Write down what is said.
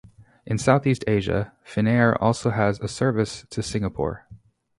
In Southeast Asia, Finnair also has a service to Singapore.